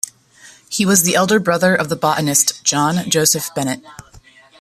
He was the elder brother of the botanist John Joseph Bennett.